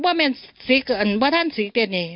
เพราะแมนเสียเกินเพราะท่านเสียเกินคันเลย